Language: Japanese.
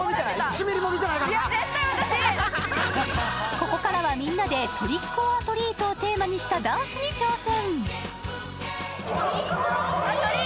ここからはみんなでトリック・オア・トリートをテーマにしたダンスに挑戦。